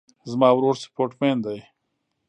زما ورور سپورټ مین ده